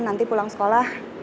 nanti pulang sekolah